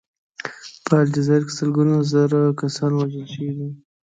په الجزایر کې سلګونه زره کسان وژل شوي دي.